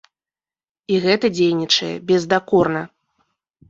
І гэта дзейнічае бездакорна.